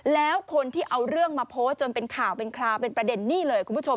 แล้วคนที่เอาเรื่องมาโพสต์จนเป็นข่าวเป็นคราวเป็นประเด็นนี่เลยคุณผู้ชม